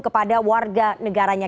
kepada warga negaranya